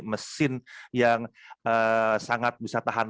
botol botol yang egoistik ini tidak bisa mengalahkan